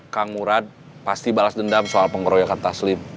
kang murad pasti balas dendam soal pengeroyokan taslim